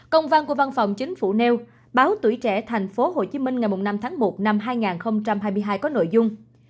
công văn của văn phòng chính phủ nêu báo tuổi trẻ tp hcm ngày năm tháng một năm hai nghìn hai mươi hai có nội dung